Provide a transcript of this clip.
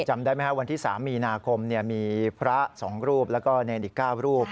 จำได้ไหมครับวันที่๓มีนาคมมีพระ๒รูปแล้วก็เนรอีก๙รูป